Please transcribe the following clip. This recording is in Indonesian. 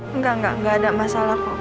engga engga ada masalah kok